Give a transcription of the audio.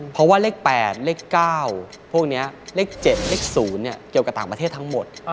เพราะว่าเลข๘เลข๙พวกนี้เลข๗เลข๐เกี่ยวกับต่างประเทศทั้งหมด